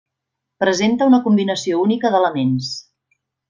Presenta una combinació única d'elements.